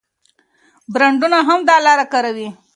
برانډونه هم دا لاره کاروي.